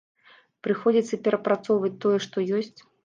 Прыходзіцца перапрацоўваць тое, што ёсць.